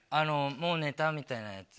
「もう寝た？」みたいなやつ。